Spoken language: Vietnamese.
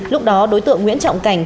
lúc đó đối tượng nguyễn trọng cảnh